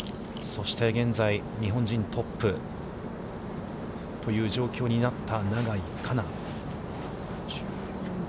そして現在、日本人のトップ、という状況になった永井花奈。